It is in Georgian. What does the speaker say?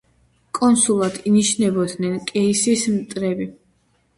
კონსულებად ინიშნებოდნენ კეისრის მტრები.